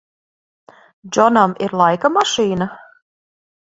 Džonam ir laika mašīna?